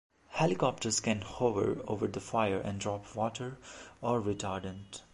Helicopters can hover over the fire and drop water or retardant.